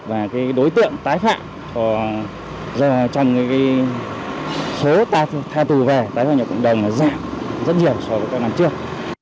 và đối tượng tái phạm trong số tha tù về tái phạm hòa nhập cộng đồng giảm rất nhiều so với năm trước